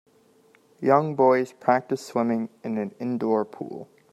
Young boys practice swimming in an indoor pool.